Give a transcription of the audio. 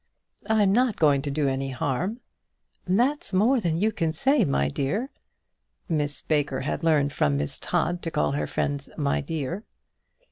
"I'm not going to do any harm." "That's more than you can say, my dear." Miss Baker had learnt from Miss Todd to call her friends "my dear."